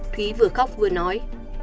thúy vừa khóc vừa nói